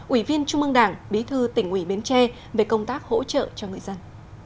ủy viên trung mương đảng bí thư tỉnh ủy bến tre về công tác hỗ trợ cho người dân